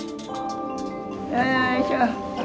よいしょ！